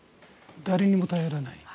誰にも頼らない。